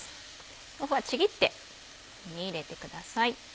豆腐はちぎって入れてください。